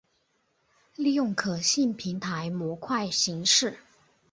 利用可信平台模块形式。